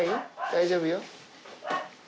大丈夫よ。